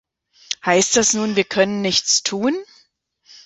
Heißt das nun, wir können nichts tun?